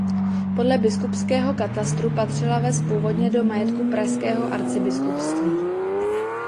Podle biskupského katastru patřila ves původně do majetku pražského arcibiskupství.